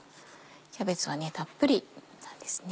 キャベツはたっぷりなんですね。